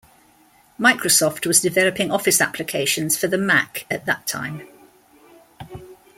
Microsoft was developing office applications for the Mac at that time.